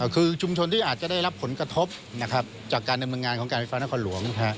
คือชุมชนที่อาจจะได้รับผลกระทบนะครับจากการดำเนินงานของการไฟฟ้านครหลวง